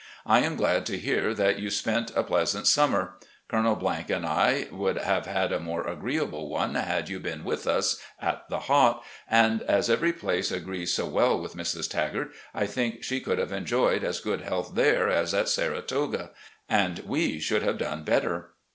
I am glad to hear that you spent a pleasant summer. Colonel and I would have had a more agreeable one had you been with us at the Hot, and as every place agrees so well with Mrs. Tagart, I think she could have enjoyed as good health there as at Saratoga, and we should have done better.